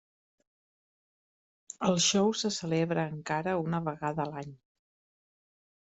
El show se celebra encara una vegada a l'any.